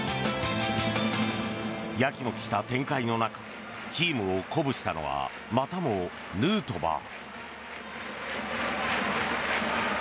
やきもきした展開の中チームを鼓舞したのはまたもヌートバー！